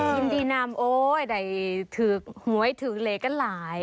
ยินดีนำโอ๊ยได้ถือหวยถือเหลกันหลาย